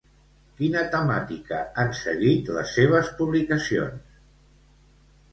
Quina temàtica han seguit les seves publicacions?